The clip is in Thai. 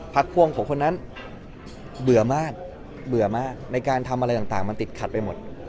พักพ่วงของคนนั้นเบื่อมากในการทำอะไรต่างมันติดขัดไปหมด